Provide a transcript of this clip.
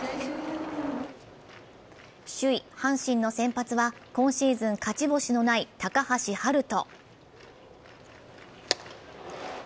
首位・阪神の先発は今シーズン、勝ち星のない高橋遥人。